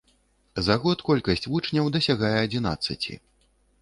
За год колькасць вучняў дасягае адзінаццаці.